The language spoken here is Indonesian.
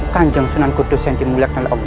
kanjang sunan kutus sentimun liat